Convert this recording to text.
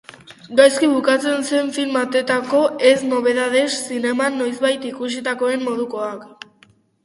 Gaizki bukatzen zen film batekoak, ez Novedades zineman noizbait ikusitakoen modukoak.